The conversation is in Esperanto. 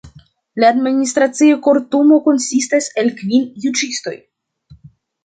La Administracia Kortumo konsistas el kvin juĝistoj.